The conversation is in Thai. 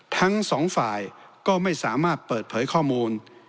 ทั้งสองฝ่ายก็ไม่สามารถเปิดเผยข้อมูล